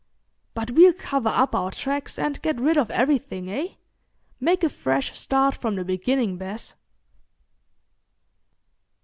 —But we'll cover up our tracks and get rid of everything, eh? Make a fresh start from the beginning, Bess."